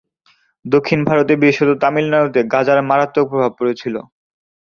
দক্ষিণ ভারতে, বিশেষত তামিলনাড়ুতে গাজার মারাত্মক প্রভাব পড়েছিল।